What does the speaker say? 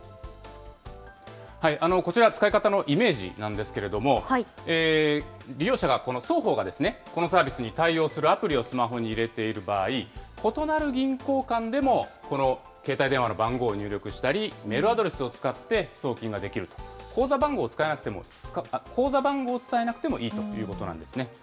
こちら、使い方のイメージなんですけれども、利用者が、この双方がこのサービスに対応するアプリをスマホに入れている場合、異なる銀行間でも、この携帯電話の番号を入力したり、メールアドレスを使って送金ができると、口座番号を伝えなくてもいいということなんですね。